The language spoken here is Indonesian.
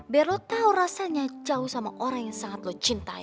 biar lo tau rasanya jauh sama orang yang sangat lo cintai